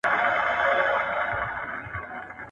• تر ورخ تېري اوبه بيرته نه را گرځي.